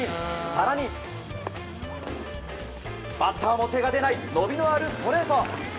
更に、バッターも手が出ない伸びのあるストレート。